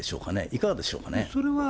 いかがでしょうかね。